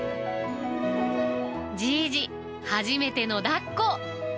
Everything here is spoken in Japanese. じいじ、初めてのだっこ。